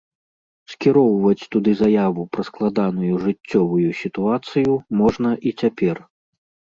Скіроўваць туды заяву пра складаную жыццёвую сітуацыю можна і цяпер.